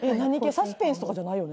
サスペンスとかじゃないよね